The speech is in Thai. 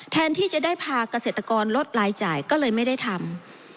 แทนที่จะได้พาเกษตรกรลดรายจ่ายก็เลยไม่ได้ทำ